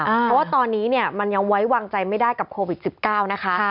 เพราะว่าตอนนี้เนี่ยมันยังไว้วางใจไม่ได้กับโควิด๑๙นะคะ